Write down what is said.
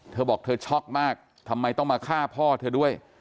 เธอบอกเธอช็อกมากทำไมต้องมาฆ่าพ่อเธอด้วย